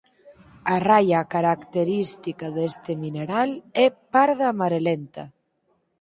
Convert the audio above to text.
A raia característica deste mineral é parda amarelenta.